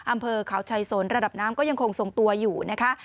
อำเภอเขาชัยสนระดับน้ำก็ยังคงทรงตัวอยู่นะคะ